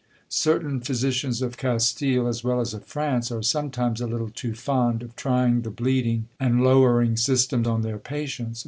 Certain physicians of Castille, as well as of France, are sometimes a little too fond of trying the bleeding and lowering system on their patients.